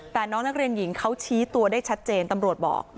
แต่น้องนักเรียนหญิงเขาชี้ตัวได้ชัดเจนตำรวจบอก